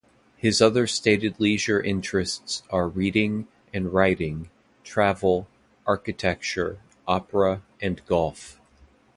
His other stated leisure interests are reading and writing, travel, architecture, opera and golf.